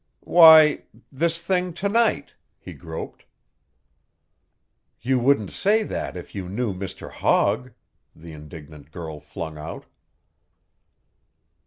"Why this thing to night," he groped. "You wouldn't say that if you knew Mr. Hogg," the indignant girl flung out.